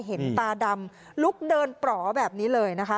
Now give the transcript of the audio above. ตาดำลุกเดินปลอแบบนี้เลยนะคะ